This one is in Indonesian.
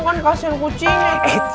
kan kasih kucingnya